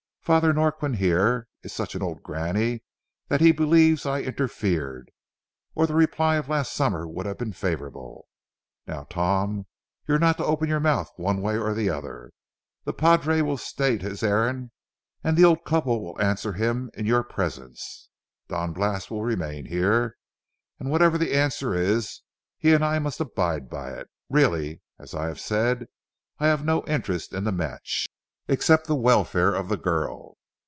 Father Norquin here is such an old granny that he believes I interfered, or the reply of last summer would have been favorable. Now, Tom, you're not to open your mouth one way or the other. The padre will state his errand, and the old couple will answer him in your presence. Don Blas will remain here, and whatever the answer is, he and I must abide by it. Really, as I have said, I have no interest in the match, except the welfare of the girl.